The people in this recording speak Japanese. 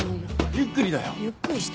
ゆっくりだよ！